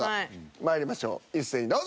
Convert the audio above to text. まいりましょう一斉にどうぞ。